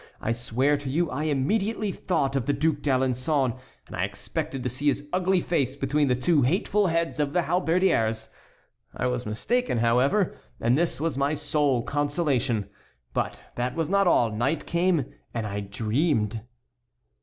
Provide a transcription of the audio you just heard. I swear to you I immediately thought of the Duc d'Alençon, and I expected to see his ugly face between the two hateful heads of the halberdiers. I was mistaken, however, and this was my sole consolation. But that was not all; night came, and I dreamed."